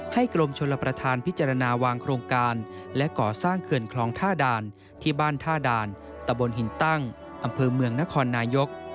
กรมชลประธานพิจารณาวางโครงการและก่อสร้างเขื่อนคลองท่าด่านที่บ้านท่าด่านตะบนหินตั้งอำเภอเมืองนครนายก